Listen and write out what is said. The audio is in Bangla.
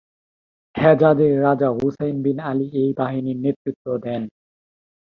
হেজাজের রাজা হুসাইন বিন আলী এই বাহিনীর নেতৃত্ব দেন।